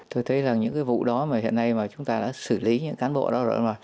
tôi thấy là những vụ đó mà hiện nay chúng ta đã xử lý những cán bộ đó rồi